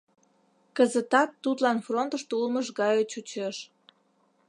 Кызытат тудлан фронтышто улмыж гае чучеш.